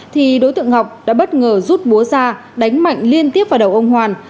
thì đối tượng ngọc đã bất ngờ rút búa ra đánh mạnh liên tiếp vào đầu ông hoàn